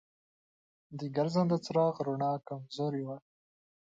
د ګرځنده چراغ رڼا کمزورې وه.